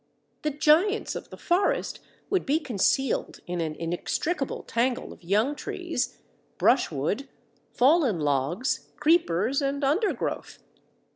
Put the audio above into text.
The giants of the forest would be concealed in an inextricable tangle of young trees, brushwood, fallen logs, creepers, and undergrowth.